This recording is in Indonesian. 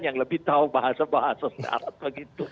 yang lebih tahu bahasa bahasa isyarat